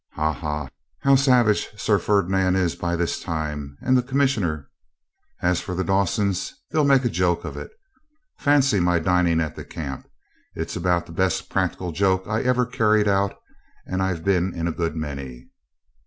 Ha! ha! how savage Sir Ferdinand is by this time, and the Commissioner! As for the Dawsons, they'll make a joke of it. Fancy my dining at the camp! It's about the best practical joke I ever carried out, and I've been in a good many.'